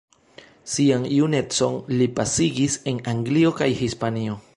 Sian junecon li pasigis en Anglio kaj Hispanio.